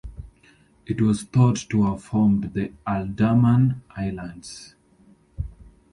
It was thought to have formed the Alderman Islands.